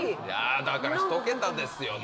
だからひと桁ですよね。